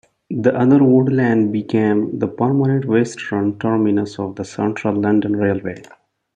The other Wood Lane became the permanent western terminus of the Central London Railway.